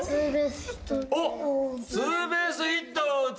ツーベースヒットを打つ。